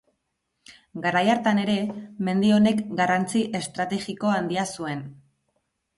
Garai hartan ere, mendi honek garrantzi estrategiko handia zuen.